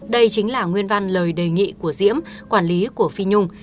đây chính là nguyên văn lời đề nghị của diễm quản lý của phi nhung